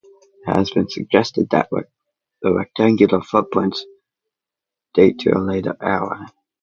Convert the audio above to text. It has been suggested that the rectangular footprints date to a later era.